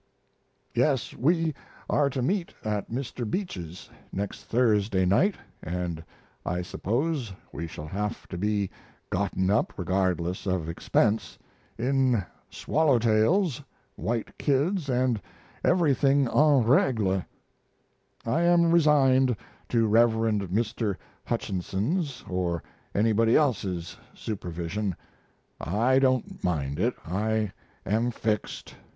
Yes, we are to meet at Mr. Beach's next Thursday night, and I suppose we shall have to be gotten up regardless of expense, in swallow tails, white kids and everything 'en regle'. I am resigned to Rev. Mr. Hutchinson's or anybody else's supervision. I don't mind it. I am fixed.